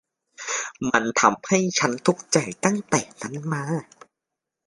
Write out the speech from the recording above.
มันทำให้ฉันทุกข์ใจตั้งแต่นั้นมา